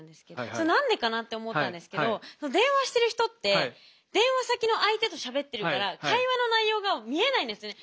それ何でかなって思ったんですけど電話してる人って電話先の相手としゃべってるから会話の内容が見えないんですね。